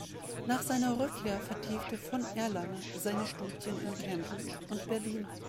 Nach seiner Rückkehr vertiefte von Erlanger seine Studien in Cambridge und Berlin.